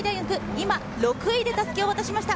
今、６位で襷を渡しました。